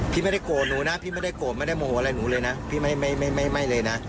พี่ไม่ได้โกรธหนูนะพี่ไม่ได้โกรธไม่ได้โมโหอะไรหนูเลยนะพี่ไม่ไม่เลยนะ